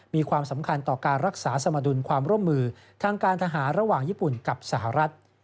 มีความสำคัญต่อการรักษาสมดุลความร่วมมือทางการทหารระหว่างญี่ปุ่นกับสหรัฐ